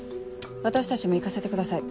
私たちも行かせてください。